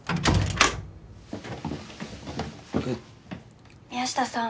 えっ宮下さん